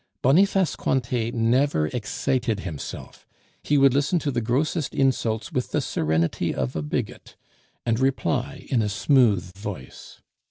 Boniface Cointet never excited himself; he would listen to the grossest insults with the serenity of a bigot, and reply in a smooth voice.